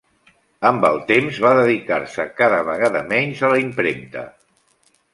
Amb el temps va dedicar-se cada vegada menys a la impremta.